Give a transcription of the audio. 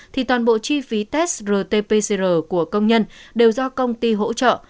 thì toàn bộ chi phí test rt pcr của công nhân đều do công ty hỗ trợ